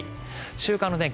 週間の天気